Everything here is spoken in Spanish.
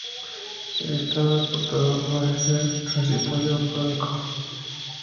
El estado de portador puede ser transitorio o crónico.